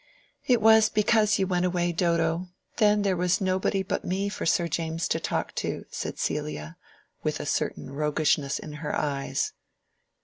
"It was because you went away, Dodo. Then there was nobody but me for Sir James to talk to," said Celia, with a certain roguishness in her eyes.